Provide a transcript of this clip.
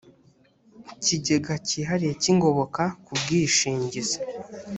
kigega cyihariye cy ingoboka ku bwishingizi